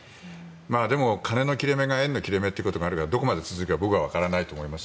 でも金の切れ目が縁の切れ目という言葉があるようにどこまで続くか僕はわからないと思います。